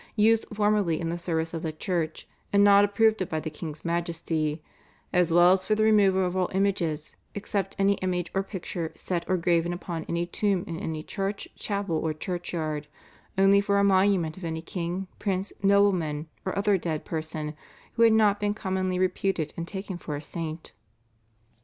used formerly in the service of the Church and not approved of by the king's majesty, as well as for the removal of all images "except any image or picture set or graven upon any tomb in any church, chapel or churchyard only for a monument of any king, prince, nobleman or other dead person who had not been commonly reputed and taken for a saint."